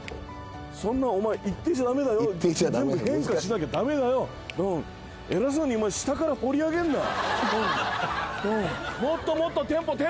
そんなお前一定じゃダメだよ全部変化しなきゃダメだよ偉そうに下から掘り上げんなトントン